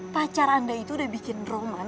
pacar anda itu udah bikin roman